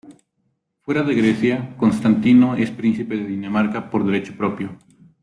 Fuera de Grecia, Constantino es príncipe de Dinamarca por derecho propio.